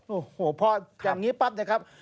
โอ้โหพออย่างนี้ปั๊บนะครับ